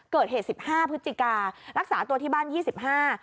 เกิดเหตุสิบห้าพฤศจิการักษาตัวที่บ้านยี่สิบห้า